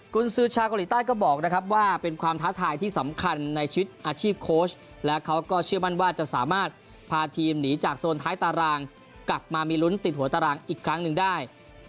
คุณซื้อชาวเกาหลีใต้ก็บอกนะครับว่าเป็นความท้าทายที่สำคัญในชีวิตอาชีพโค้ชและเขาก็เชื่อมั่นว่าจะสามารถพาทีมหนีจากโซนท้ายตารางกลับมามีลุ้นติดหัวตารางอีกครั้งหนึ่งได้